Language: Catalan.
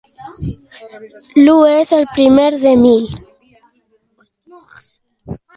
L'u és el primer de mil.